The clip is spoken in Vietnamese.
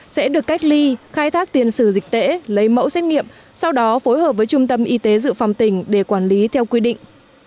sẽ được cách ly khai thác tiền sử dịch tễ lấy mẫu xét nghiệm sau đó phối hợp với trung tâm y tế dự phòng tỉnh để quản lý theo quy định